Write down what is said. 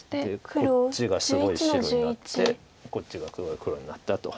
でこっちがすごい白になってこっちが黒になったと。